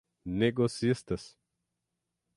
negocistas